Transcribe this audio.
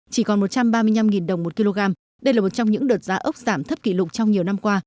chỉ còn một trăm ba mươi năm đồng một kg đây là một trong những đợt giá ốc giảm thấp kỷ lục trong nhiều năm qua